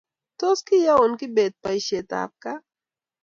Tos, kigoyaun Kibet boishetab gaa?